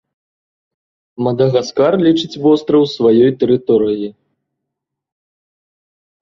Мадагаскар лічыць востраў сваёй тэрыторыяй.